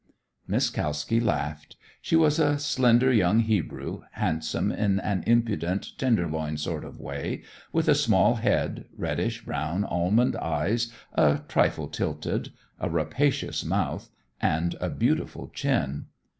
Miss Kalski laughed. She was a slender young Hebrew, handsome in an impudent, Tenderloin sort of way, with a small head, reddish brown almond eyes, a trifle tilted, a rapacious mouth, and a beautiful chin.